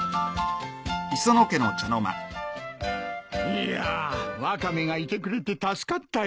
いやワカメがいてくれて助かったよ。